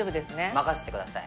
任せてください！